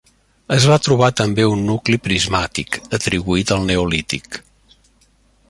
Es va trobar també un nucli prismàtic, atribuït al neolític.